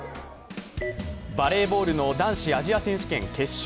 バレーボールの男子アジア選手権決勝。